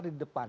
terus di depan